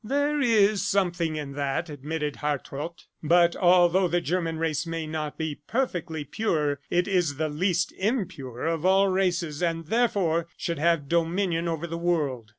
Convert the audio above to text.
"There is something in that," admitted Hartrott, "but although the German race may not be perfectly pure, it is the least impure of all races and, therefore, should have dominion over the world."